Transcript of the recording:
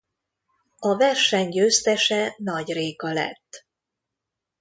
A verseny győztese Nagy Réka lett.